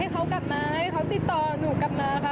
เขากลับมาให้เขาติดต่อหนูกลับมาค่ะ